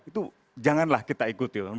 itu janganlah kita ikuti